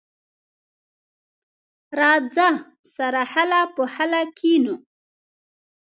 راځه، سره خله په خله کېنو.